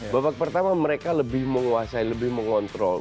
babak pertama mereka lebih menguasai lebih mengontrol